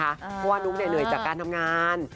เพราะว่านุ๊กเหนื่อยจากการทำงาน